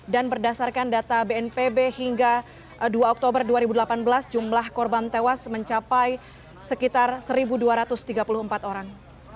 dan berdasarkan data bnpb hingga dua oktober dua ribu delapan belas jumlah korban tewas mencapai sekitar satu dua ratus tiga puluh empat orang